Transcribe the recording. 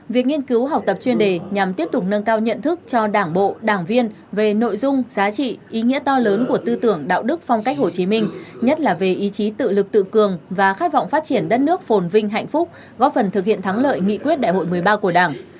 việc nghiên cứu học tập chuyên đề nhằm tiếp tục nâng cao nhận thức cho đảng bộ đảng viên về nội dung giá trị ý nghĩa to lớn của tư tưởng đạo đức phong cách hồ chí minh nhất là về ý chí tự lực tự cường và khát vọng phát triển đất nước phồn vinh hạnh phúc góp phần thực hiện thắng lợi nghị quyết đại hội một mươi ba của đảng